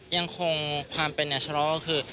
ยังคงความเป็นแนชัลลอลคือ